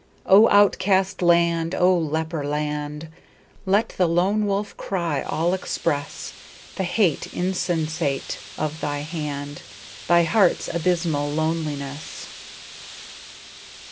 O outcast land! O leper land! Let the lone wolf cry all express The hate insensate of thy hand, Thy heart's abysmal loneliness.